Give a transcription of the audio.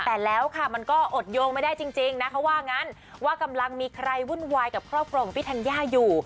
แต่แล้วค่ะมันก็อดโยงไม่ได้จริงนะเขาว่างั้นว่ากำลังมีใครวุ่นวายกับครอบครัวของพี่ธัญญาอยู่